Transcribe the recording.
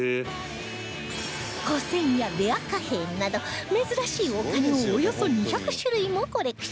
古銭やレア貨幣など珍しいお金をおよそ２００種類もコレクション